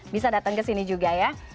bisa datang ke sini juga ya